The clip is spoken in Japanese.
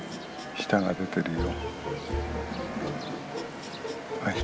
舌が出てるよ。